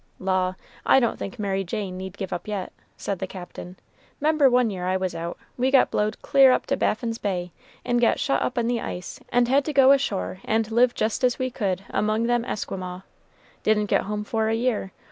"Law! I don't think Mary Jane need give up yet," said the Captain. "'Member one year I was out, we got blowed clear up to Baffin's Bay, and got shut up in the ice, and had to go ashore and live jist as we could among them Esquimaux. Didn't get home for a year.